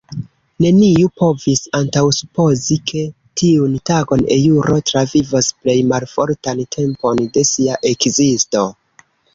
Neniu povis antaŭsupozi, ke tiun tagon eŭro travivos plej malfortan tempon de sia ekzisto.